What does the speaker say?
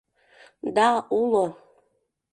— Да, уло.